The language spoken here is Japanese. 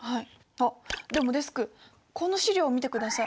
あっでもデスクこの資料を見てください。